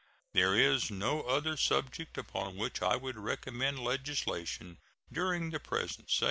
There is no other subject upon which I would recommend legislation during the present session.